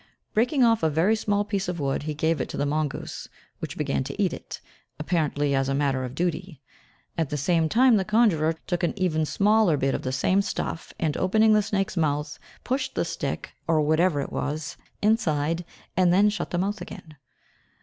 Breaking off a very small piece of the wood, he gave it to the mongoose, which began to eat it, apparently as a matter of duty. At the same time the conjurer took an even smaller bit of the same stuff, and opening the snake's mouth, pushed the stick, or whatever it was, inside, and then shut the mouth again.